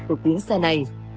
ở tuyến xe này